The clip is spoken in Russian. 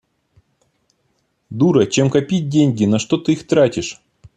Дура, чем копить деньги, на что ты их тратишь?